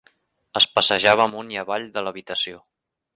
Es passejava amunt i avall de l'habitació.